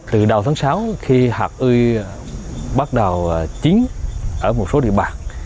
từ đầu tháng sáu khi hạt ươi bắt đầu chín ở một số địa bàn